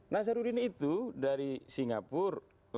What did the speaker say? nazaruddin itu dari singapura